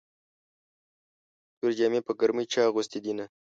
تورې جامې په ګرمۍ چا اغوستې دينه